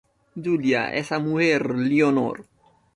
Julia, esa mujer, Leonor